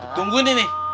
tunggu nih nih